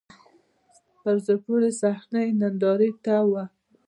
په زړه پورې صحنه یې نندارې ته و.